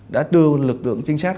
đã đưa lực lượng trinh sát